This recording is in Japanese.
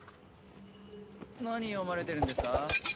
何読まれてるんですか？